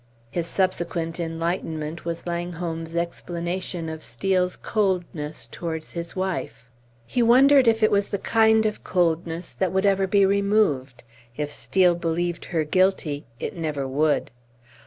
His subsequent enlightenment was Langholm's explanation of Steel's coldness towards his wife. He wondered if it was the kind of coldness that would ever be removed; if Steel believed her guilty, it never would.